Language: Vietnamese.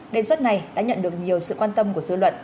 đề xuất này đã nhận được nhiều sự quan tâm của dư luận